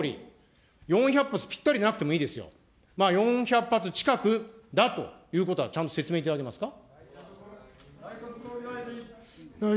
総理、４００発ぴったりでなくてもいいですよ、４００発近くだということは、ちゃんと説明いただけますか。